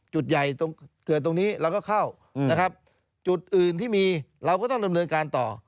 จุดใหญ่ตรงเขื่อนตรงนี้เราก็เข้านะครับจุดอื่นที่มีเราก็ต้องดำเนินการต่อ